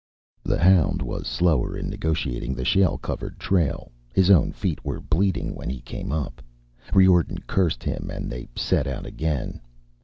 _ The hound was slower in negotiating the shale covered trail; his own feet were bleeding when he came up. Riordan cursed him and they set out again.